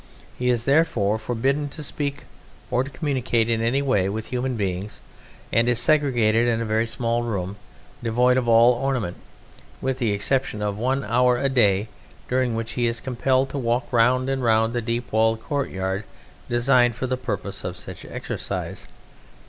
He is therefore forbidden to speak or to communicate in any way with human beings, and is segregated in a very small room devoid of all ornament, with the exception of one hour a day, during which he is compelled to walk round and round a deep, walled courtyard designed for the purpose of such an exercise.